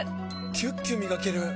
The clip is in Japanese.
キュッキュ磨ける！